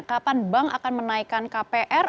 kapan bank akan menaikkan kpr